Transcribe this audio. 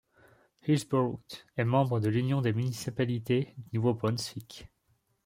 Hillsborough est membre de l'Union des municipalités du Nouveau-Brunswick.